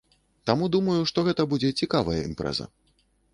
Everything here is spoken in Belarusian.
Таму думаю, што гэта будзе цікавая імпрэза.